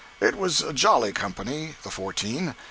It was a jolly company, the fourteen.